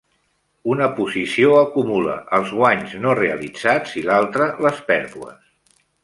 Una posició acumula els guanys no realitzats i l'altra les pèrdues.